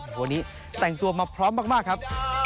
วันนี้แต่งตัวมาพร้อมมากครับ